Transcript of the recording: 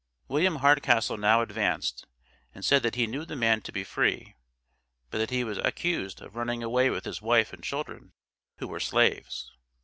William Hardcastle now advanced, and said that he knew the man to be free; but that he was accused of running away with his wife and children who were slaves.